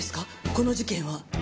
この事件は。